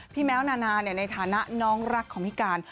แม้วนานาในฐานะน้องรักของพี่การ